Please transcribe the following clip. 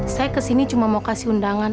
saya kesini cuma mau kasih undangan